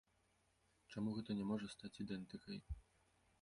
Чаму гэта не можа стаць ідэнтыкай.